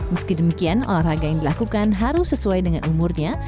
meski demikian olahraga yang dilakukan harus sesuai dengan umurnya